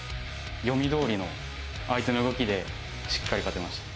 読みどおりの相手の動きでしっかり勝てました。